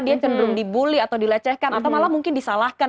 dia cenderung dibully atau dilecehkan atau malah mungkin disalahkan